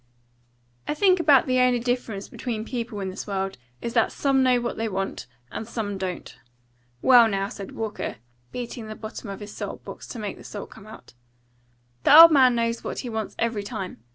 "I think about the only difference between people in this world is that some know what they want, and some don't. Well, now," said Walker, beating the bottom of his salt box to make the salt come out, "the old man knows what he wants every time.